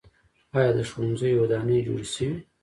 آیا د ښوونځیو ودانۍ جوړې شوي؟